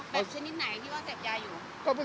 อ๋อแบบชนิดไหนที่ว่าเสพยาอยู่